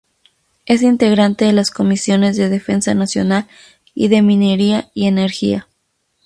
Es integrante de las comisiones de Defensa Nacional; y de Minería y Energía.